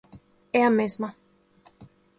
É a mesma.